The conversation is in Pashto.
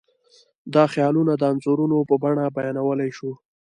دا خیالونه د انځورونو په بڼه بیانولی شو.